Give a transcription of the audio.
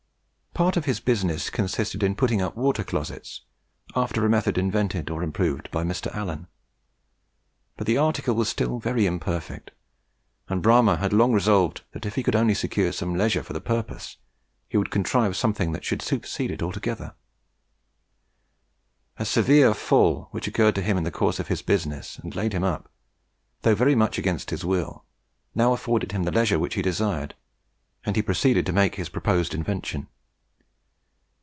Part of his business consisted in putting up water closets, after a method invented or improved by a Mr. Allen; but the article was still very imperfect; and Bramah had long resolved that if he could only secure some leisure for the purpose, he would contrive something that should supersede it altogether. A severe fall which occurred to him in the course of his business, and laid him up, though very much against his will, now afforded him the leisure which he desired, and he proceeded to make his proposed invention.